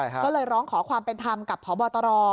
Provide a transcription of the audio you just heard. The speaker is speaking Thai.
ก็เลยร้องขอความเป็นธรรมกับพบตร